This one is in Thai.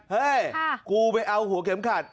เฮ้ยกูไปเอาหัวเข็มขัด